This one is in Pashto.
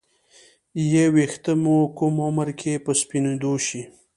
ې ویښته مو کوم عمر کې په سپینیدو شي